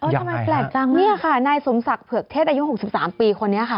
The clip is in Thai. อย่างไรฮะนี่ค่ะนายสมศักดิ์เผือกเทศอายุ๖๓ปีคนนี้ค่ะ